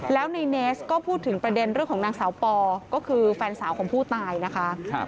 แล้วในเนสก็พูดถึงประเด็นเรื่องของนางสาวปอก็คือแฟนสาวของผู้ตายนะคะ